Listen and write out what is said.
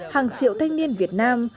hàng triệu thanh niên việt nam